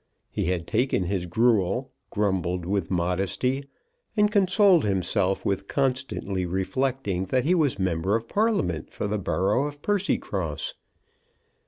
He had taken his gruel, grumbled with modesty, and consoled himself with constantly reflecting that he was member of Parliament for the borough of Percycross.